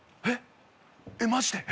えっ？